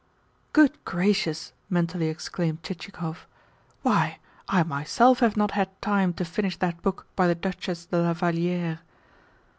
"Good gracious!" mentally exclaimed Chichikov. "Why, I myself have not had time to finish that book by the Duchesse de la Valliere!"